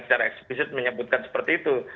terdekat menyebutkan seperti itu